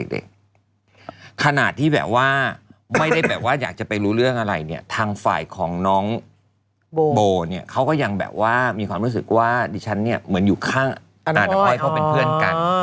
ขณะที่แบบว่าไม่ได้แบบว่าอยากจะไปรู้เรื่องอะไรเนี่ยทางฝ่ายของน้องโบเนี่ยเขาก็ยังแบบว่ามีความรู้สึกว่าดิฉันเนี่ยเหมือนอยู่ข้างอาจารย์น้ำอ้อยเขาเป็นเพื่อนกัน